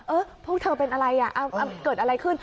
พวกเธอเป็นอะไรอ่ะเกิดอะไรขึ้น